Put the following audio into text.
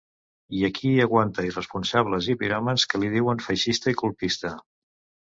I aquí aguanta irresponsables i piròmans que li diuen feixista i colpista.